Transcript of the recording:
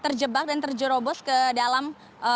terjebak dan terjerobos ke dalam longsoran tersebut